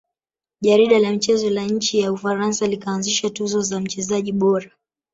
Jarida la michezo la nchi ya ufaransa likaanzisha tuzo za mchezaji bora